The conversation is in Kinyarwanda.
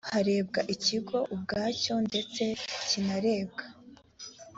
harebwa ikigo ubwacyo ndetse kinarebwa